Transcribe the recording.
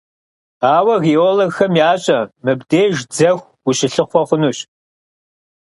Ауэ геологхэм ящӀэ: мыбдеж дзэху ущылъыхъуэ хъунущ.